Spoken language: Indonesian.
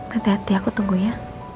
hati hati aku tunggu ya